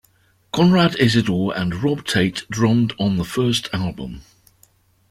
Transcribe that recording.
Conrad Isidore and Rob Tait drummed on the first album.